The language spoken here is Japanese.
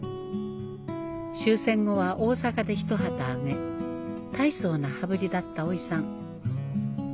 終戦後は大阪でひと旗揚げ大層な羽振りだったおいさん